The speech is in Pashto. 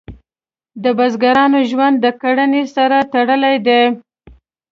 د بزګرانو ژوند د کرنې سره تړلی دی.